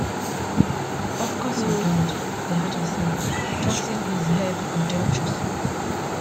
‘Of course you don’t!’ the Hatter said, tossing his head contemptuously.